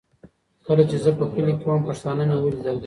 کله چي زه په کلي کي وم، پښتانه مي ولیدل.